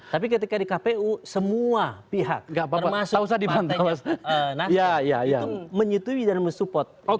tapi ketika di kpu semua pihak termasuk pantai nasib itu menyutui dan mensupport